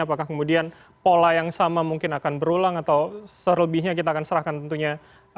apakah kemudian pola yang sama mungkin akan berulang atau selebihnya kita akan serahkan tentunya